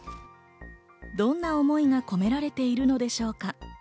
どんな思いが込められているのでしょうか。